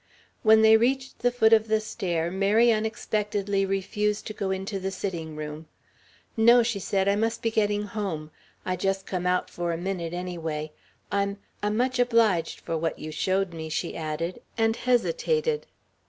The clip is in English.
When they reached the foot of the stair, Mary unexpectedly refused to go in the sitting room. "No," she said, "I must be getting home. I just come out for a minute, anyway. I'm I'm much obliged for what you showed me," she added, and hesitated.